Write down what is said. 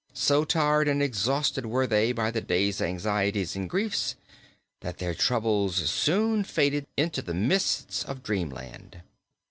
So tired and exhausted were they by the day's anxieties and griefs that their troubles soon faded into the mists of dreamland.